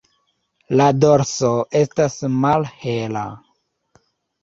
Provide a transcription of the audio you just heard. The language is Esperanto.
La dorso estas malhela.